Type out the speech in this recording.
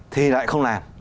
thì lại không làm